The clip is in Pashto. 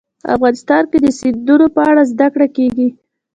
افغانستان کې د سیندونه په اړه زده کړه کېږي.